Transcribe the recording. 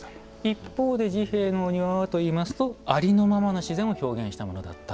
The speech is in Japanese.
一方で治兵衛のお庭はといいますとありのままの自然を表現したものだった。